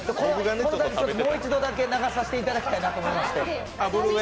もう一度だけ流させていただきたいなと。